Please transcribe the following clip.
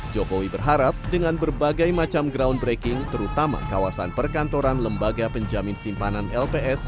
jokowi berharap dengan berbagai macam groundbreaking terutama kawasan perkantoran lembaga penjamin simpanan lps